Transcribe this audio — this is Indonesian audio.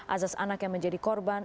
azas anak yang menjadi korban